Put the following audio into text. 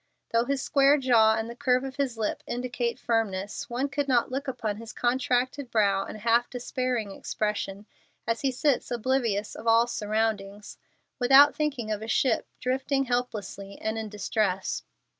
Though his square jaw and the curve of his lip indicate firmness, one could not look upon his contracted brow and half despairing expression, as he sits oblivious of all surroundings, without thinking of a ship drifting helplessly and in distress.